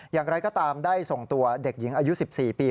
อย่างไรก็ตามได้ส่งตัวเด็กหญิงอายุ๑๔ปี